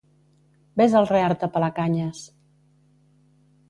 Ves al Reart a pelar canyes!